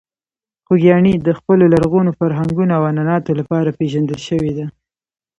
خوږیاڼي د خپلو لرغونو فرهنګونو او عنعناتو لپاره پېژندل شوې ده.